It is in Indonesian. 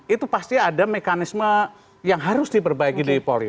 itu pasti ada mekanisme yang harus diperbaiki dari polri